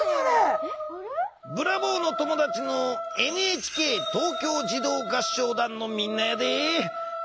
ブラボーの友だちのＮＨＫ東京児童合唱団のみんなやで。